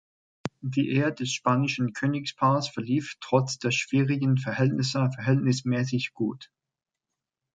Die Ehe des spanischen Königspaars verlief trotz der schwierigen Verhältnisse verhältnismäßig gut.